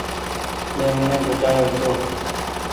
مين اوني بچآيو هيتو۔